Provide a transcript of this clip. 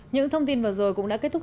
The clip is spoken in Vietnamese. những thông tin vừa rồi cũng đã kết thúc